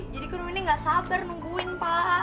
jadi kenapa win ini nggak sabar nungguin pak